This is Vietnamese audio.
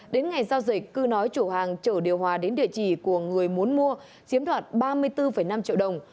đến ngày giao dịch cư nói chủ hàng chở điều hòa đến địa chỉ của người muốn mua chiếm đoạt ba mươi bốn năm triệu đồng